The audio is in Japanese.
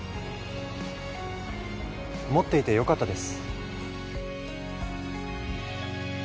持っていてよかったです。